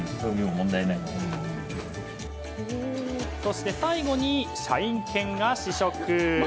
そして最後に、社員犬が試食。